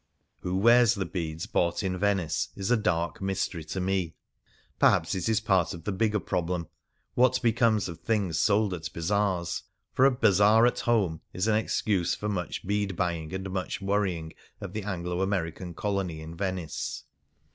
Who wears the beads bought in Venice is a dark mystery to me. Perhaps it is a part of the bigger problem, what becomes of things sold at bazaars. For "a bazaar at home" is an excuse for much bead buying and much worrying of the Anglo American colony in Venice.